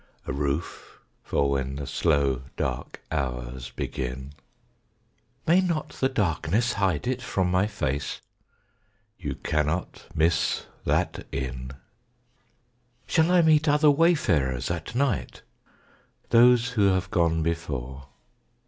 A roof for when the slow dark hours begin. May not the darkness hide it from my face? You cannot miss that inn. Shall I meet other wayfarers at night? Those who have gone before.